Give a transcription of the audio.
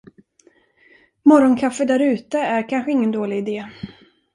Morgonkaffe där ute är kanske ingen dålig idé.